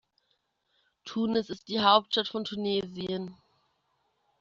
Tunis ist die Hauptstadt von Tunesien.